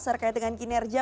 serkait dengan kinerja